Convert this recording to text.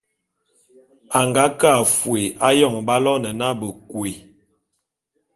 A nga ke a fôé ayon b'aloene na Bekôé.